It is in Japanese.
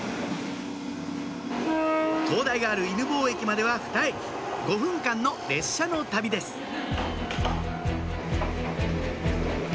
灯台がある犬吠駅までは２駅５分間の列車の旅です